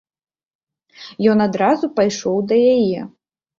Ён адразу пайшоў да яе.